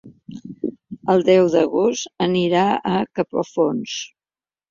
El deu d'agost anirà a Capafonts.